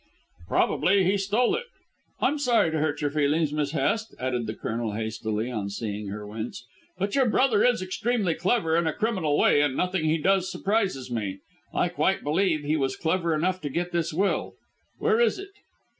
"Probably he stole it. I am sorry to hurt your feelings, Miss Hest," added the Colonel hastily on seeing her wince. "But your brother is extremely clever in a criminal way, and nothing he does surprises me. I quite believe he was clever enough to get this will. Where is it?"